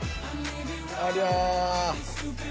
ありゃ！